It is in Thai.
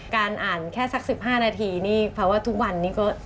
การอ่านแค่สัก๑๕นาทีนี่เพราะว่าทุกวันนี้ก็